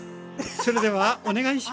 それではお願いします！